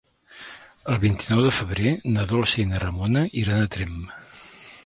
El vint-i-nou de febrer na Dolça i na Ramona iran a Tremp.